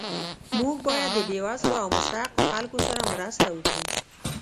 موږ باید د بې وزلو او مستحقو خلکو سره مرسته وکړو